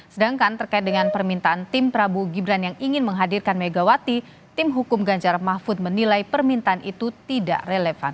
sedangkan terkait dengan permintaan tim prabowo gibran yang ingin menghadirkan megawati tim hukum ganjar mahfud menilai permintaan itu tidak relevan